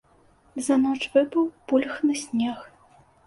За ноч выпаў пульхны снег.